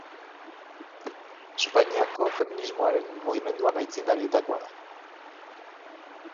Espainiako feminismoaren mugimenduan aitzindarietakoa da.